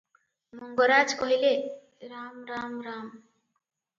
ମଙ୍ଗରାଜ କହିଲେ, "ରାମ ରାମ ରାମ ।